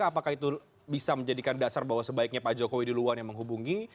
apakah itu bisa menjadikan dasar bahwa sebaiknya pak jokowi duluan yang menghubungi